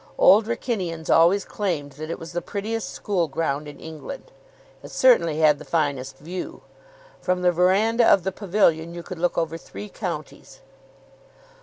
Old Wrykynians always claimed that it was the prettiest school ground in England. It certainly had the finest view. From the verandah of the pavilion you could look over three counties.